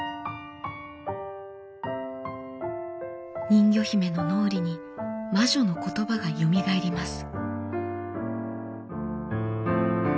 人魚姫の脳裏に魔女の言葉がよみがえります。